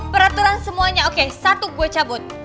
peraturan semuanya oke satu gue cabut